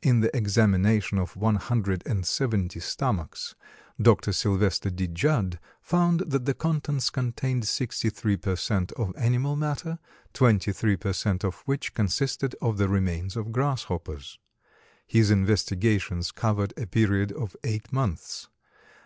In the examination of one hundred and seventy stomachs, Dr. Sylvester D. Judd found that the contents contained sixty three per cent of animal matter, twenty three per cent of which consisted of the remains of grasshoppers. His investigations covered a period of eight months.